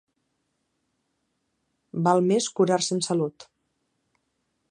Val més curar-se en salut.